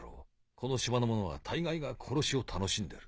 この島の者は大概が殺しを楽しんでる。